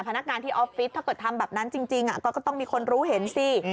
พนักงานที่ออฟฟิศถ้าเกิดทำแบบนั้นจริงก็ต้องมีคนรู้เห็นสิ